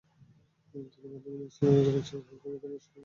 তিনি বান্ধবী নেসলি রিকাসার সামনে হাঁটু গেড়ে বসে তাঁকে প্রেমের প্রস্তাব দেন।